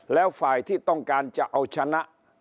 แล้วฝ่ายที่ต้องการจะเอาชนะ